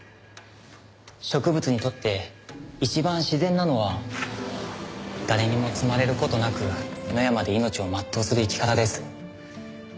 植物にとって一番自然なのは誰にも摘まれる事なく野山で命を全うする生き方です。